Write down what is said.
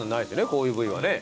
こういう部位はね。